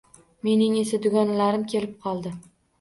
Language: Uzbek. Mening esa dugonalarim kelib qoldi.